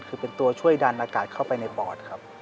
คือเป็นตัวช่วยดันอากาศเข้าไปในปอดครับ